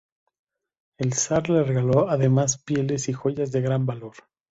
El Zar le regaló además pieles y joyas de gran valor.